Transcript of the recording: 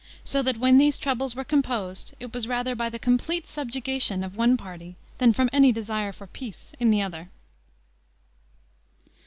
So that when these troubles were composed, it was rather by the complete subjugation of one party than from any desire for peace in the other.